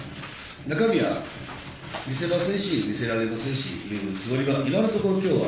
中身は見せませんし、見せられませんし、今のところきょうは、